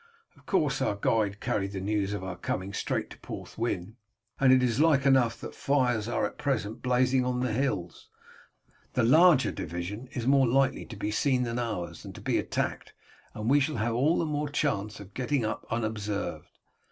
"Of course our guide carried the news of our coming straight to Porthwyn, and it is like enough that fires are at present blazing on the hills. The larger division is more likely to be seen than ours, and to be attacked, and we shall have all the more chance of getting up unobserved.